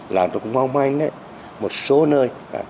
làm tôi cũng mong manh một số nơi